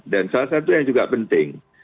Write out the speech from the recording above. dan salah satu yang juga penting